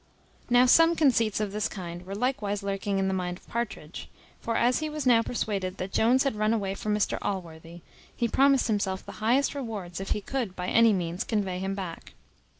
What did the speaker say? Now some conceits of this kind were likewise lurking in the mind of Partridge; for, as he was now persuaded that Jones had run away from Mr Allworthy, he promised himself the highest rewards if he could by any means convey him back.